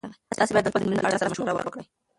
تاسي باید د خپل تمرین په اړه له چا سره مشوره وکړئ.